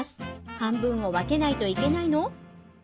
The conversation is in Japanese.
半分を分けないといけないの？